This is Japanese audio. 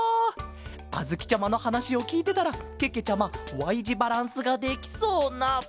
あづきちゃまのはなしをきいてたらけけちゃまＹじバランスができそうな。